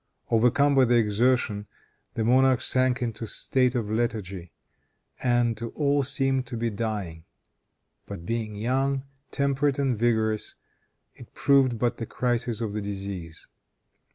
Overcome by the exertion the monarch sank into a state of lethargy, and to all seemed to be dying. But being young, temperate and vigorous, it proved but the crisis of the disease.